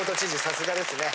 さすがですね。